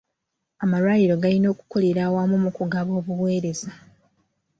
Amalwaliro galina okukolera awamu mu kugaba obuweereza.